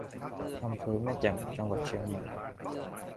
อำเภอแม่แจ่ม จังหวัดเชียงใหม่